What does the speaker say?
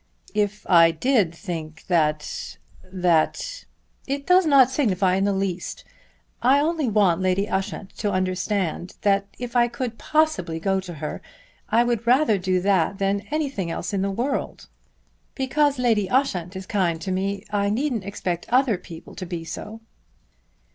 "If I did think that, that " "It does not signify in the least. I only want Lady Ushant to understand that if I could possibly go to her I would rather do that than anything else in the world. Because Lady Ushant is kind to me I needn't expect other people to be so."